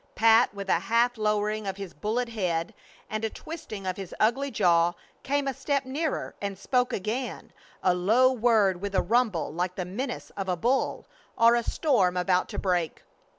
Pat, with a half lowering of his bullet head, and a twisting of his ugly jaw, came a step nearer and spoke again, a low word with a rumble like the menace of a bull or a storm about to break.